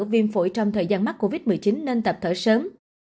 viêm phổi trong thời gian mắc covid một mươi chín nên tập thở sớm